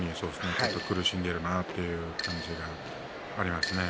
ちょっと苦しんでいるなという感じがありますね。